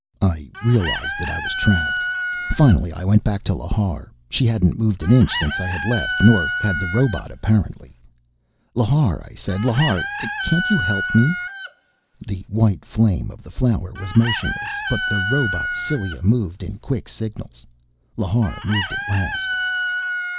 I realized that I was trapped. Finally I went back to Lhar. She hadn't moved an inch since I had left, nor had the robot, apparently. "Lhar," I said. "Lhar, can't you help me?" The white flame of the flower was motionless, but the robot's cilia moved in quick signals. Lhar moved at last.